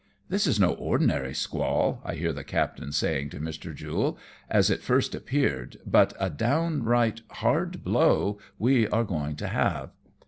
" This is no ordinary squall," I hear the captain saying to ^Ir. Jule, " as it first appeared, but a down right hard blow we are going to have."